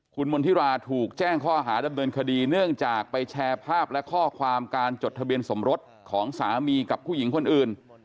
คุณมณฑิราถูกแจ้งข้อหาดำเนินคดีเนื่องจากไปแชร์ภาพและข้อความการจดทะเบียนสมรสของสามีกับผู้หญิงคนอื่น